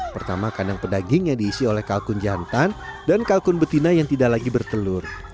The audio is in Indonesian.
pertama kandang pedaging yang diisi oleh kalkun jantan dan kalkun betina yang tidak lagi bertelur